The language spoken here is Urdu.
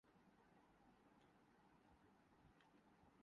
پچھلے بارہ سال میں دہشت گردی کی جنگ میں شہید ہونے والوں